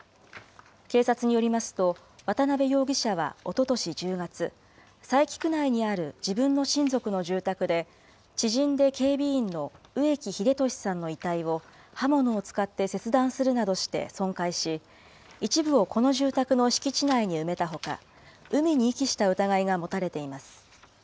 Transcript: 警察によりますと、渡部容疑者はおととし１０月、佐伯区内にある自分の親族の住宅で、知人で警備員の植木秀俊さんの遺体を、刃物を使って切断するなどして損壊し、一部をこの住宅の敷地内に埋めたほか、海に遺棄した疑いが持たれています。